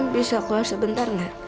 bisa keluar sebentar gak